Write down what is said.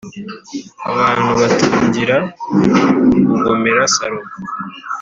Abantu batangira kugomera Salomo